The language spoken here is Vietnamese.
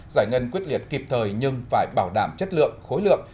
giải ngân quyết liệt kịp thời nhưng phải bảo đảm chất lượng khối lượng